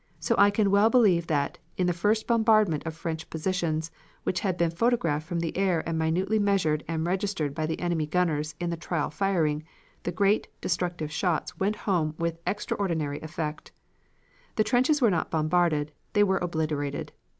So I can well believe that, in the first bombardment of French positions, which had been photographed from the air and minutely measured and registered by the enemy gunners in the trial firing, the great, destructive shots went home with extraordinary effect. The trenches were not bombarded they were obliterated.